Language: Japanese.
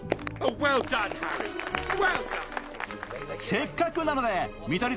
せっかくなので見取り